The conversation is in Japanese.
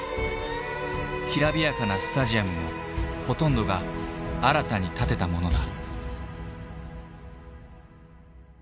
きらびやかなスタジアムもほとんどが新たに建てたものだ。